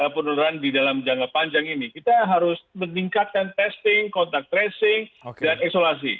penularan di dalam jangka panjang ini kita harus meningkatkan testing contact tracing dan isolasi